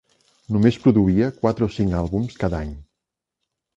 Només produïa quatre o cinc àlbums cada any.